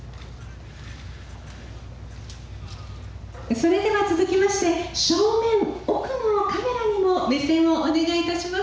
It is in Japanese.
それでは続きまして正面、奥のカメラにも目線をお願いいたします。